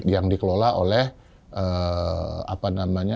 yang dikelola oleh apa namanya